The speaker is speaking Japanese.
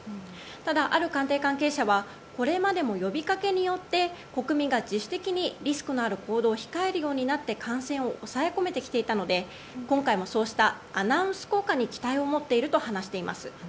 ただ、ある官邸関係者はこれまでも呼びかけによって国民が自主的にリスクのある行動を控えるようになって感染を抑え込めてきていたので今回もそうしたアナウンス効果に期待を持っていると話します。